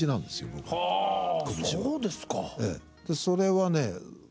それはね